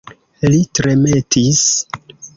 Li tremetis.